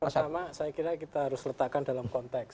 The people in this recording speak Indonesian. pertama saya kira kita harus letakkan dalam konteks